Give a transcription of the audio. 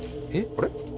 あれ？